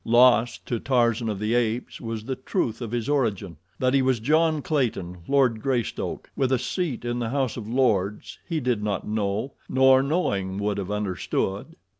Lost to Tarzan of the Apes was the truth of his origin. That he was John Clayton, Lord Greystoke, with a seat in the House of Lords, he did not know, nor, knowing, would have understood.